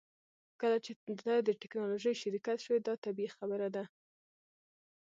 کله چې ته د ټیکنالوژۍ شرکت شوې دا طبیعي خبره ده